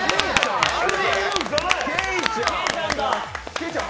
けいちゃん！